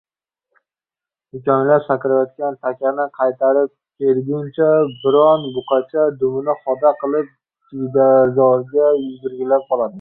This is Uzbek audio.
Dikonglab sakrayotgan takani qaytarib kelguncha biron buqacha dumini xoda qilib jiydazorga yugurgilab qoladi...